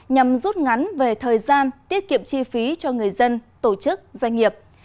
nhằm rút ngắn về thời gian tiết kiệm chi phí cho người dân tổ chức doanh nghiệp